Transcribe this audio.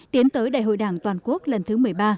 tiến tới đại hội đảng toàn quốc lần thứ một mươi ba